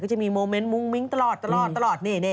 ก็จะมีโมเมนต์มึงตลอด